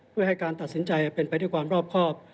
เพื่อให้การตัดสินใจเป็นไปด้วยความรอบครอบ